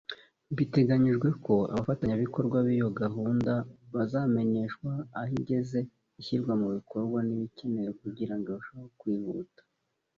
Biteganyijwe ko abafatanyabikorwa b’iyo gahunda bazamenyeshwa aho igeze ishyirwa mu bikorwa n’ibikeneye kugira ngo irusheho kwihuta